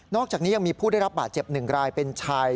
อกจากนี้ยังมีผู้ได้รับบาดเจ็บ๑รายเป็นชาย